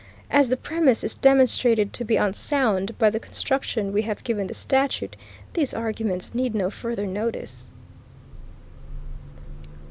As the premise is demonstrated to be unsound by the construction we have given the statute," these arguments need no further notice.